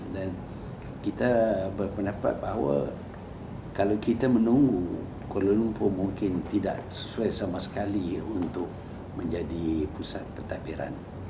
dan kita berpendapat bahwa kalau kita menunggu kuala lumpur mungkin tidak sesuai sama sekali untuk menjadi pusat pentadbiran